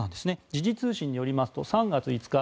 時事通信によりますと３月５日